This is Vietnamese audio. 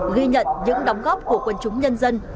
ghi nhận những đóng góp của quân chúng nhân dân